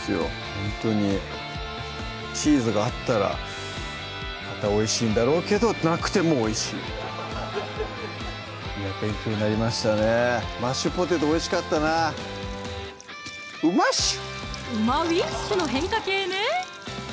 ほんとにチーズがあったらまたおいしいんだろうけどなくてもおいしい勉強になりましたねマッシュポテトおいしかったな「うまうぃっしゅ！」の変化形ね